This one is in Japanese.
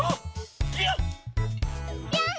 ぴょん！